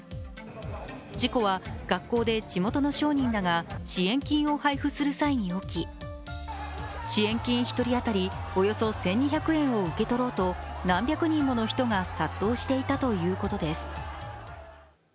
事故は学校で地元の商人らが支援金を配布する際に起き、支援金１人当たりおよそ１２００円を受け取ろうと何百人もの人が殺到していたということです。